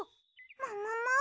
ももも？